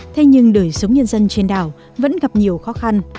thế nhưng đời sống nhân dân trên đảo vẫn gặp nhiều khó khăn